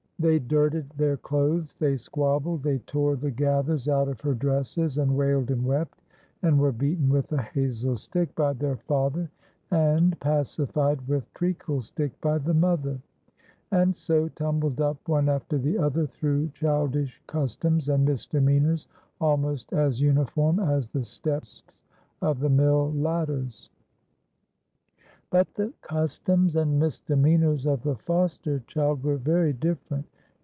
They dirted their clothes, they squabbled, they tore the gathers out of her dresses, and wailed and wept, and were beaten with a hazel stick by their father, and pacified with treacle stick by the mother; and so tumbled up, one after the other, through childish customs and misdemeanors, almost as uniform as the steps of the mill ladders. But the customs and misdemeanors of the foster child were very different.